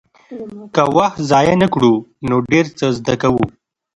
که وخت ضایع نه کړو نو ډېر څه زده کوو.